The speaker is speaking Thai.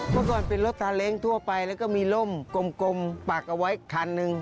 เมื่อก่อนเป็นรถซาเล้งทั่วไปแล้วก็มีร่มกลมปักเอาไว้คันหนึ่ง